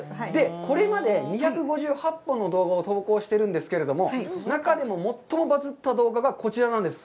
これまで２５８本の動画を投稿してるんですけど、中でも最もバズった動画がこちらなんです。